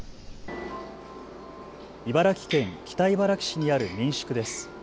茨城県北茨城市にある民宿です。